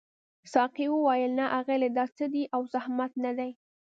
ساقي وویل نه اغلې دا څه دي او زحمت نه دی.